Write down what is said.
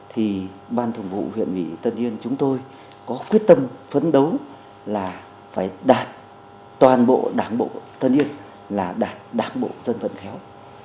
thì ban thường vụ huyện ủy tân yên chúng tôi có quyết tâm phấn đấu là phải đạt toàn bộ đảng bộ tân yên là đảng bộ dân vận khéo